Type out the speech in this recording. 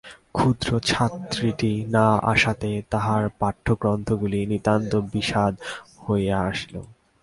ক্ষুদ্র ছাত্রীটি না আসাতে তাঁহার পাঠ্যগ্রন্থগুলি নিতান্ত বিস্বাদ হইয়া আসিল।